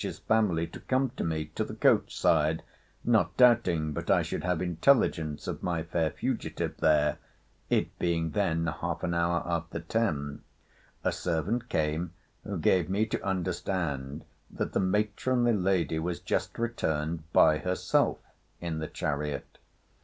's family to come to me to the coach side, not doubting but I should have intelligence of my fair fugitive there; it being then half an hour after ten. A servant came, who gave me to understand that the matronly lady was just returned by herself in the chariot.